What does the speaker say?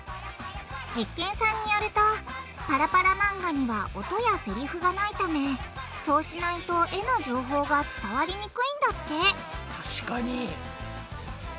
鉄拳さんによるとパラパラ漫画には音やセリフがないためそうしないと絵の情報が伝わりにくいんだって確かに。